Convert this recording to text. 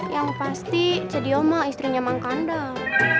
yang pasti cediyoh mah istrinya mang kandang